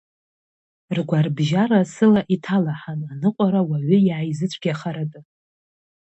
Ргәарабжьара сыла иҭалаҳан, аныҟәара уаҩы иааизыцәгьахаратәы.